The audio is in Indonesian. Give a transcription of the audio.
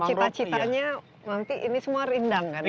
cita citanya nanti ini semua rindang kan ya